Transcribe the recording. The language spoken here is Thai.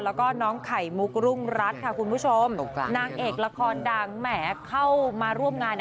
แล้วก็น้องไข่มุกรุงรัฐค่ะคุณผู้ชมนางเอกละครดังแหมเข้ามาร่วมงาน